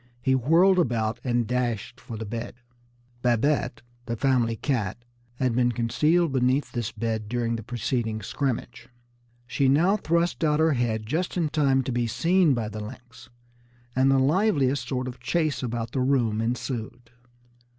He whirled about and dashed for the bed. Babette, the family cat, had been concealed beneath this bed during the preceding scrimmage. She now thrust out her head just in time to be seen by the lynx, and the liveliest sort of chase about the room ensued.